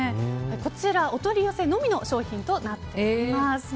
こちら、お取り寄せのみの商品となっています。